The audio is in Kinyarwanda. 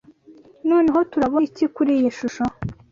NONEHO turabona iki kuri iyi shusho?